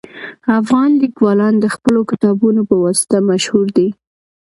افغان لیکوالان د خپلو کتابونو په واسطه مشهور دي